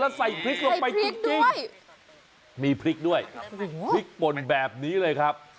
แล้วใส่พริกลงไปจริงมีพริกด้วยพริกป่นแบบนี้เลยครับ